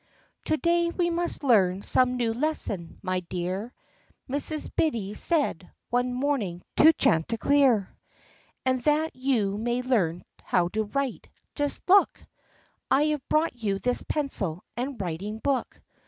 "To day we must learn some new lesson, my dear," Mrs. Biddy said, one morning, to Chanticleer; "And that you may learn how to write, — just look! — I have brought you this pencil and writing book.